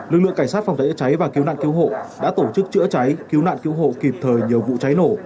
lực lượng cảnh sát phòng cháy chữa cháy và cứu nạn cứu hộ đã tổ chức chữa cháy cứu nạn cứu hộ kịp thời nhiều vụ cháy nổ